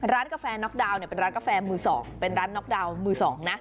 ร้านกาแฟน็อกดาวนเนี่ยเป็นร้านกาแฟมือ๒เป็นร้านน็อกดาวน์มือ๒นะ